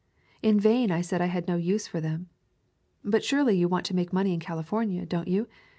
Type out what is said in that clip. In vain I said I had no use for them. "But surely you want to make money in Cali fornia, don't you?